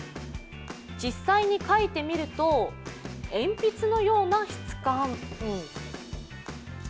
実際に書いてみると鉛筆のような質感。